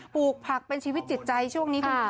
ปลูกผักเป็นชีวิตจิตใจช่วงนี้คุณ